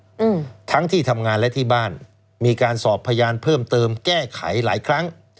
อืมทั้งที่ทำงานและที่บ้านมีการสอบพยานเพิ่มเติมแก้ไขหลายครั้ง